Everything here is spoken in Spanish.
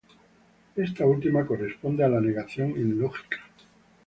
Esta última corresponde a la negación en lógica.